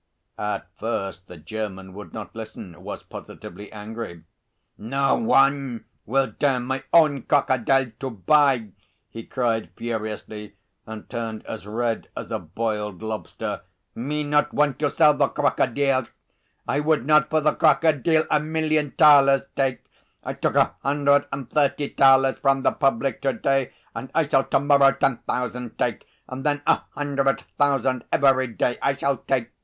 At first the German would not listen was positively angry. "No one will dare my own crocodile to buy!" he cried furiously, and turned as red as a boiled lobster. "Me not want to sell the crocodile! I would not for the crocodile a million thalers take. I took a hundred and thirty thalers from the public to day, and I shall to morrow ten thousand take, and then a hundred thousand every day I shall take.